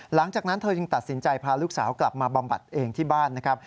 หลังจากนั้นเธอยังตัดสินใจพาลูกสาวกลับมาบำบัดเองที่บ้านนะครับ